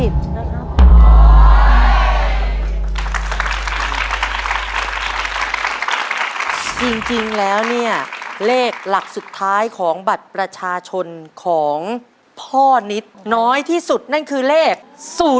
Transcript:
ไม่รู้